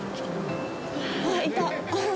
あっ、いった！